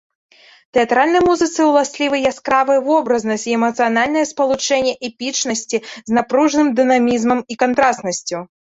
Тэатральнай музыцы ўласцівы яскравая вобразнасць і эмацыянальнае спалучэнне эпічнасці з напружаным дынамізмам і кантрастнасцю.